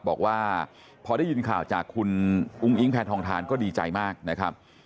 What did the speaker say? บอกว่าพอได้ยินข่าวจากคุณอุ้งอิงแพทองทานก็ดีใจมากนะครับ